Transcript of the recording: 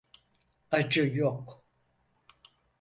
Acı yok.